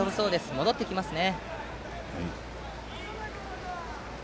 戻ってきますね。